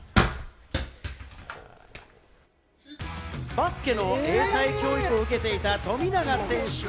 バスケの英才教育を受けていた富永選手は。